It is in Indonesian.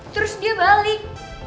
terus dia balik